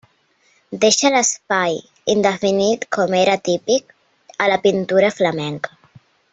Deixa l'espai indefinit com era típic a la pintura flamenca.